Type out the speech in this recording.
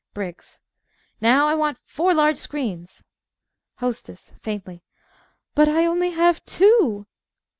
_) BRIGGS Now, I want four large screens. HOSTESS (faintly) But I have only two!